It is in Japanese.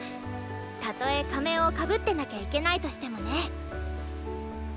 たとえ仮面を被ってなきゃいけないとしてもね。